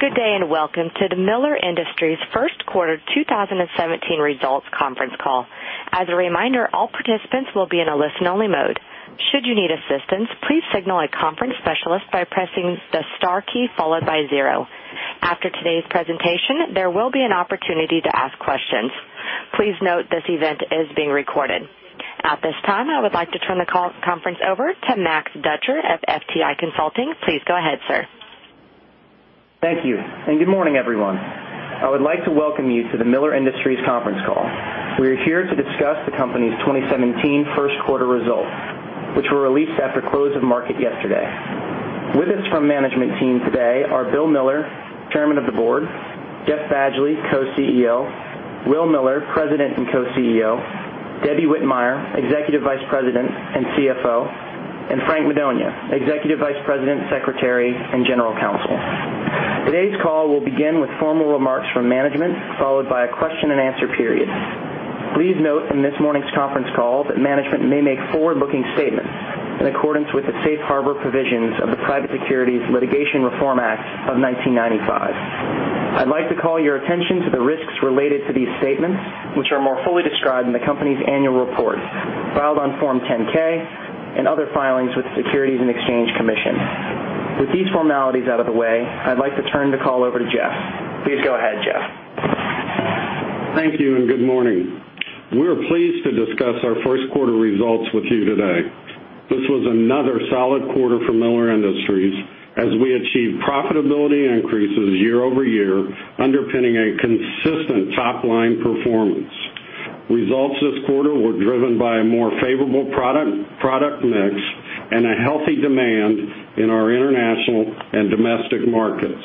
Good day. Welcome to the Miller Industries first quarter 2017 results conference call. As a reminder, all participants will be in a listen-only mode. Should you need assistance, please signal a conference specialist by pressing the star key followed by zero. After today's presentation, there will be an opportunity to ask questions. Please note this event is being recorded. At this time, I would like to turn the conference over to Max Dutcher of FTI Consulting. Please go ahead, sir. Thank you. Good morning, everyone. I would like to welcome you to the Miller Industries conference call. We are here to discuss the company's 2017 first quarter results, which were released after close of market yesterday. With us from management team today are Bill Miller, Chairman of the Board, Jeff Badgley, Co-CEO, Will Miller, President and Co-CEO, Debbie Whitmire, Executive Vice President and CFO, and Frank Madonia, Executive Vice President, Secretary, and General Counsel. Today's call will begin with formal remarks from management, followed by a question and answer period. Please note in this morning's conference call that management may make forward-looking statements in accordance with the safe harbor provisions of the Private Securities Litigation Reform Act of 1995. I'd like to call your attention to the risks related to these statements, which are more fully described in the company's annual report filed on Form 10-K and other filings with the Securities and Exchange Commission. With these formalities out of the way, I'd like to turn the call over to Jeff. Please go ahead, Jeff. Thank you. Good morning. We are pleased to discuss our first quarter results with you today. This was another solid quarter for Miller Industries as we achieved profitability increases year-over-year, underpinning a consistent top-line performance. Results this quarter were driven by a more favorable product mix and a healthy demand in our international and domestic markets.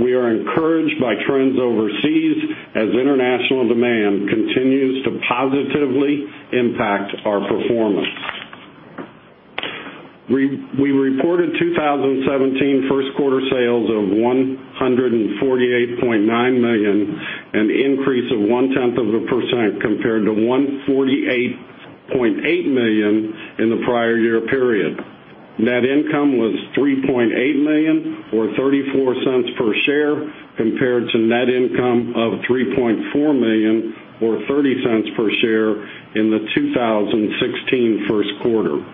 We are encouraged by trends overseas as international demand continues to positively impact our performance. We reported 2017 first quarter sales of $148.9 million, an increase of one-tenth of a percent compared to $148.8 million in the prior year period. Net income was $3.8 million, or $0.34 per share, compared to net income of $3.4 million, or $0.30 per share in the 2016 first quarter.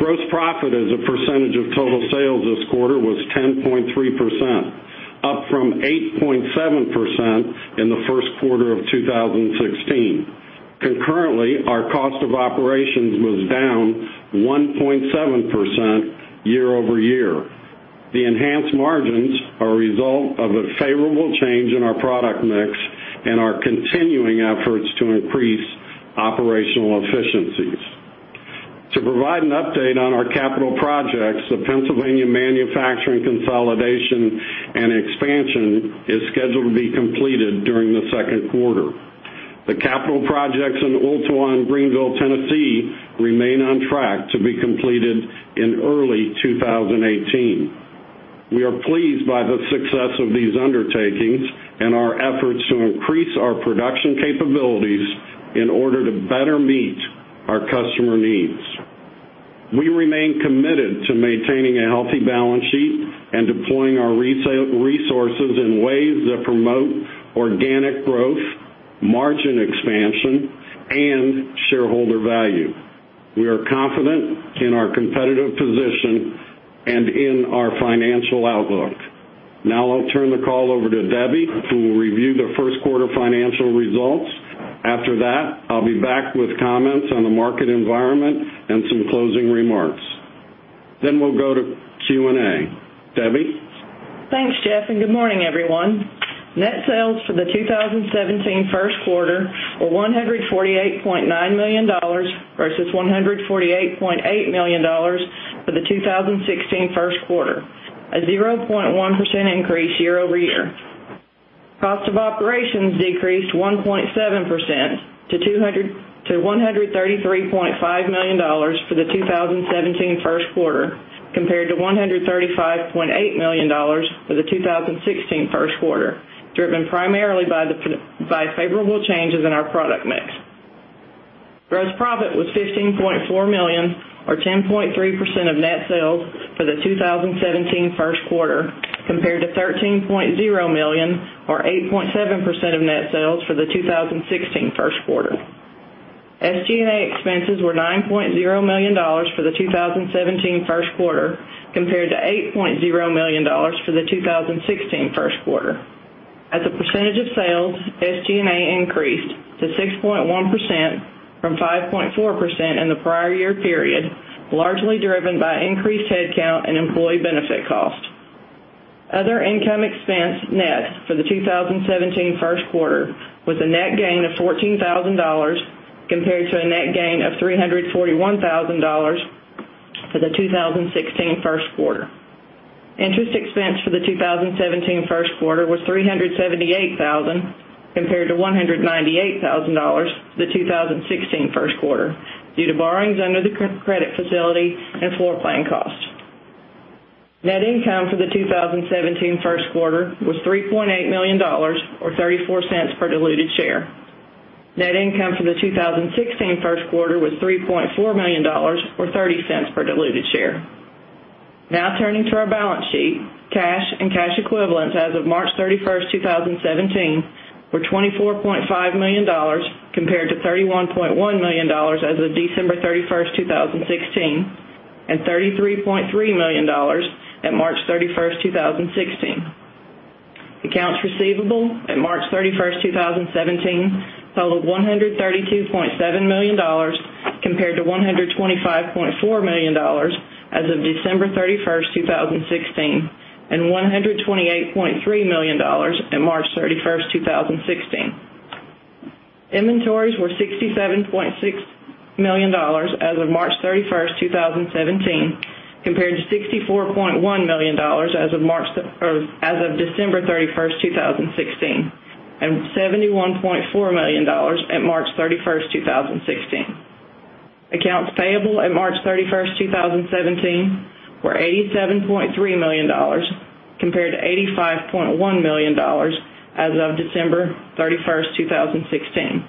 Gross profit as a percentage of total sales this quarter was 10.3%, up from 8.7% in the first quarter of 2016. Concurrently, our cost of operations was down 1.7% year-over-year. The enhanced margins are a result of a favorable change in our product mix and our continuing efforts to increase operational efficiencies. To provide an update on our capital projects, the Pennsylvania manufacturing consolidation and expansion is scheduled to be completed during the second quarter. The capital projects in Ooltewah and Greeneville, Tennessee remain on track to be completed in early 2018. We are pleased by the success of these undertakings and our efforts to increase our production capabilities in order to better meet our customer needs. We remain committed to maintaining a healthy balance sheet and deploying our resources in ways that promote organic growth, margin expansion, and shareholder value. We are confident in our competitive position and in our financial outlook. Now I'll turn the call over to Debbie, who will review the first quarter financial results. After that, I'll be back with comments on the market environment and some closing remarks. We'll go to Q&A. Debbie? Thanks, Jeff, good morning, everyone. Net sales for the 2017 first quarter were $148.9 million versus $148.8 million for the 2016 first quarter, a 0.1% increase year-over-year. Cost of operations decreased 1.7% to $133.5 million for the 2017 first quarter, compared to $135.8 million for the 2016 first quarter, driven primarily by favorable changes in our product mix. Gross profit was $15.4 million, or 10.3% of net sales for the 2017 first quarter, compared to $13.0 million, or 8.7% of net sales for the 2016 first quarter. SG&A expenses were $9.0 million for the 2017 first quarter, compared to $8.0 million for the 2016 first quarter. As a percentage of sales, SG&A increased to 6.1% from 5.4% in the prior year period, largely driven by increased headcount and employee benefit cost. Other income expense net for the 2017 first quarter was a net gain of $14,000, compared to a net gain of $341,000 for the 2016 first quarter. Interest expense for the 2017 first quarter was $378,000 compared to $198,000 the 2016 first quarter, due to borrowings under the credit facility and floor plan cost. Net income for the 2017 first quarter was $3.8 million, or $0.34 per diluted share. Net income for the 2016 first quarter was $3.4 million, or $0.30 per diluted share. Turning to our balance sheet. Cash and cash equivalents as of March 31st, 2017, were $24.5 million, compared to $31.1 million as of December 31st, 2016, and $33.3 million at March 31st, 2016. Accounts receivable at March 31st, 2017, totaled $132.7 million, compared to $125.4 million as of December 31st, 2016, and $128.3 million at March 31st, 2016. Inventories were $67.6 million as of March 31st, 2017, compared to $64.1 million as of December 31st, 2016, and $71.4 million at March 31st, 2016. Accounts payable at March 31st, 2017, were $87.3 million, compared to $85.1 million as of December 31st, 2016,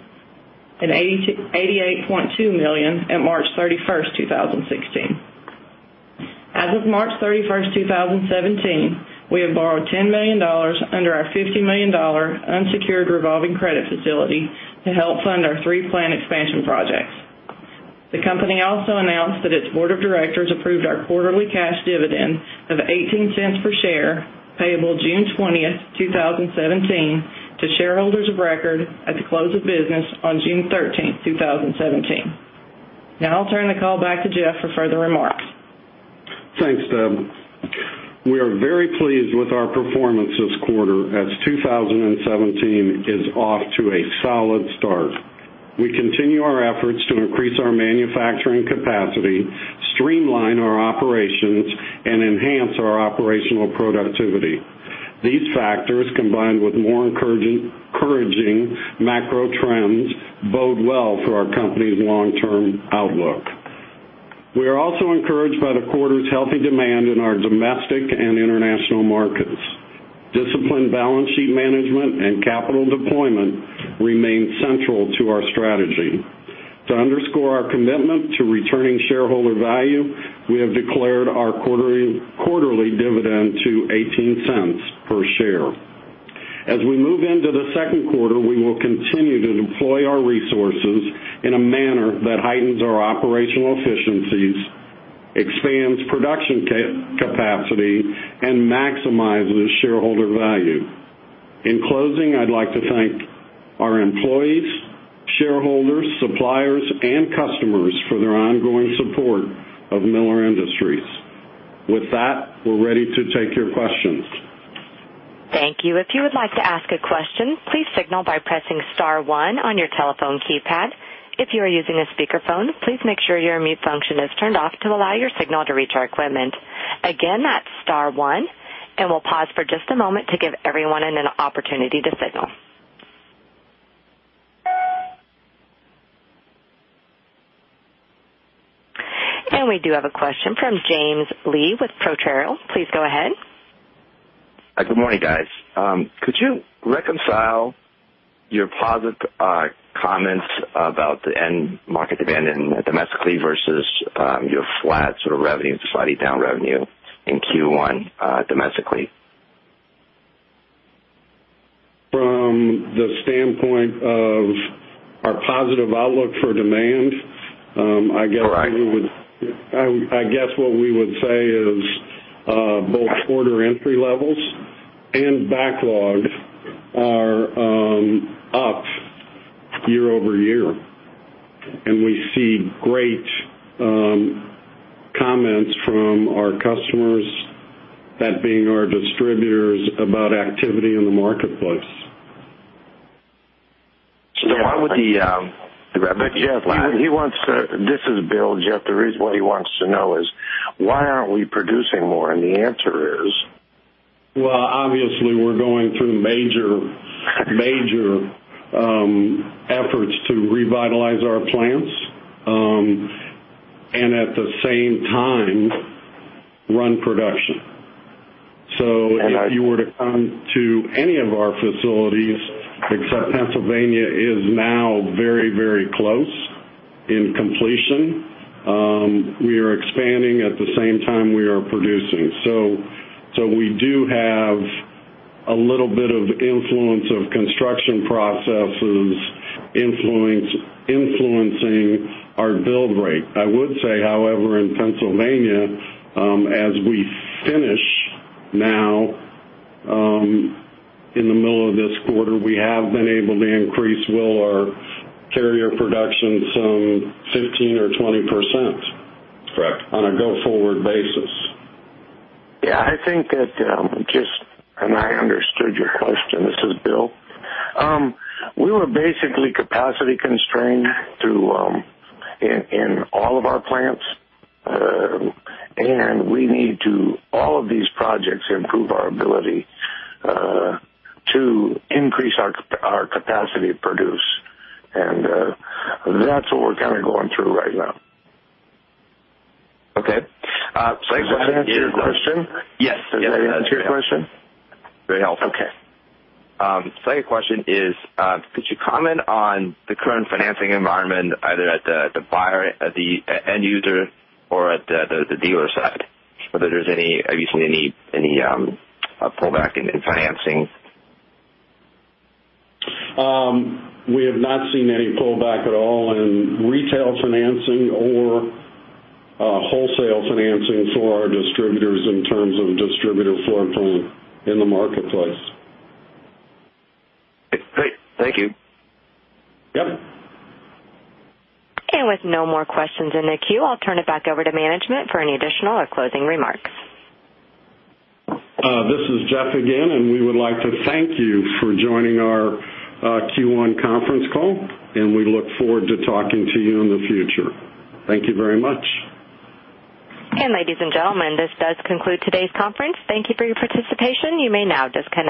and $88.2 million at March 31st, 2016. As of March 31st, 2017, we have borrowed $10 million under our $50 million unsecured revolving credit facility to help fund our three-plant expansion projects. The company also announced that its board of directors approved our quarterly cash dividend of $0.18 per share, payable June 20th, 2017, to shareholders of record at the close of business on June 13th, 2017. I'll turn the call back to Jeff for further remarks. Thanks, Debbie. We are very pleased with our performance this quarter, as 2017 is off to a solid start. We continue our efforts to increase our manufacturing capacity, streamline our operations, and enhance our operational productivity. These factors, combined with more encouraging macro trends, bode well for our company's long-term outlook. We are also encouraged by the quarter's healthy demand in our domestic and international markets. Disciplined balance sheet management and capital deployment remain central to our strategy. To underscore our commitment to returning shareholder value, we have declared our quarterly dividend to $0.18 per share. As we move into the second quarter, we will continue to deploy our resources in a manner that heightens our operational efficiencies, expands production capacity, and maximizes shareholder value. In closing, I'd like to thank our employees, shareholders, suppliers, and customers for their ongoing support of Miller Industries. With that, we're ready to take your questions. Thank you. If you would like to ask a question, please signal by pressing *1 on your telephone keypad. If you are using a speakerphone, please make sure your mute function is turned off to allow your signal to reach our equipment. Again, that's *1. We'll pause for just a moment to give everyone an opportunity to signal. We do have a question from James Lee with Potrero. Please go ahead. Good morning, guys. Could you reconcile your positive comments about the end market demand domestically versus your flat revenue, slightly down revenue in Q1 domestically? From the standpoint of our positive outlook for demand- Correct I guess what we would say is both order entry levels and backlog are up year-over-year. We see great comments from our customers, that being our distributors, about activity in the marketplace. Why would the revenue be flat? This is Bill. Jeff, what he wants to know is, why aren't we producing more? The answer is Well, obviously, we're going through major efforts to revitalize our plants, at the same time, run production. If you were to come to any of our facilities, except Pennsylvania is now very close in completion. We are expanding at the same time we are producing. We do have a little bit of influence of construction processes influencing our build rate. I would say, however, in Pennsylvania, as we finish now in the middle of this quarter, we have been able to increase, well, our carrier production some 15% or 20%. Correct On a go-forward basis. Yeah, I think that I understood your question. This is Bill. We were basically capacity constrained in all of our plants. We need to, all of these projects, improve our ability to increase our capacity to produce. That's what we're kind of going through right now. Okay. Does that answer your question? Yes. Does that answer your question? Very helpful. Okay. Second question is, could you comment on the current financing environment, either at the buyer, at the end user, or at the dealer side? Have you seen any pullback in financing? We have not seen any pullback at all in retail financing or wholesale financing for our distributors in terms of distributor floor plan in the marketplace. Great. Thank you. Yep. With no more questions in the queue, I'll turn it back over to management for any additional or closing remarks. This is Jeff again, and we would like to thank you for joining our Q1 conference call. We look forward to talking to you in the future. Thank you very much. Ladies and gentlemen, this does conclude today's conference. Thank you for your participation. You may now disconnect.